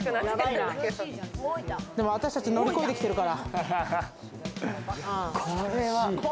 でも私たち乗り越えてきてるから。